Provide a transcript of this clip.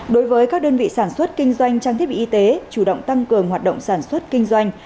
đối với các đơn vị sản xuất kinh doanh trang thiết bị y tế chủ động tăng cường hoạt động sản xuất kinh doanh